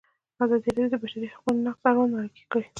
ازادي راډیو د د بشري حقونو نقض اړوند مرکې کړي.